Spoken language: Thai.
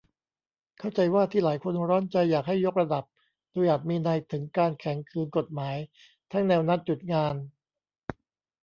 เข้าใจว่าที่หลายคนร้อนใจอยากให้ "ยกระดับ" โดยอาจมีนัยถึงการแข็งขืนกฎหมาย ทั้งแนวนัดหยุดงาน